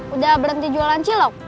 udah berhenti jualan celok